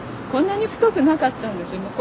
こんなに太くなかったんですよ。